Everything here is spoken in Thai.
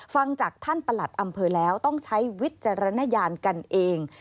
ฟังจากท่านประหลัดอำเภอแล้วต้องใช้วิจารณญาณกันเอง